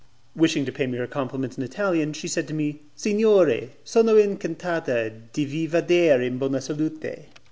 Wishing to pay me her compliments in Italian, she said to me, "'Signore, sono in cantata di vi Vader in bona salute'."